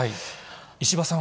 石破さんは？